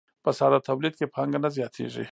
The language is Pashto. په ساده تولید کې پانګه نه زیاتېږي